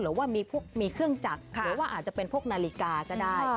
หรือว่ามีเครื่องจักรหรือว่าอาจจะเป็นพวกนาฬิกาก็ได้